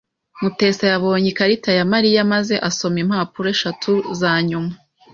Mutesa yabonye ikarita ya Mariya maze asoma impapuro eshatu zanyuma.